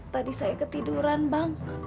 tadi saya ketiduran bang